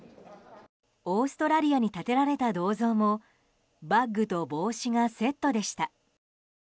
オーストラリアに建てられた銅像もバッグと帽子がセットでした。